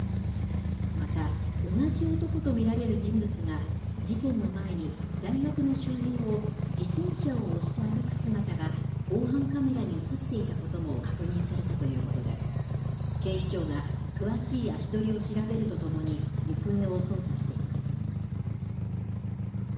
また、同じ男と見られる人物が、事件の前に、大学の周辺を自転車を押して歩く姿が、防犯カメラに写っていたことも確認されたということで、警視庁が詳しい足取りを調べるとともに、行方を捜査しています。